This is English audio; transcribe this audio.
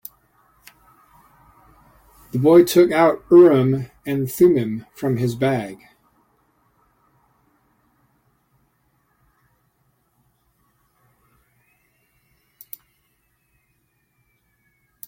The boy took out Urim and Thummim from his bag.